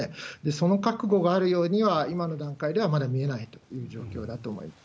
その覚悟があるようには、今の段階ではまだ見えないという状況だと思います。